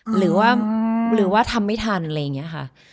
หรือว่าทำไม่ทันอะไรอย่างนี้ค่ะ